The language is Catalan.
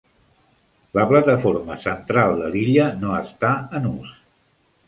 La plataforma central de l'illa no està en ús.